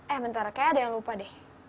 eh bentar kayaknya ada yang lupa deh